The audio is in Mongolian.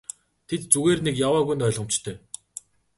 Тэд зүгээр нэг яваагүй нь ойлгомжтой.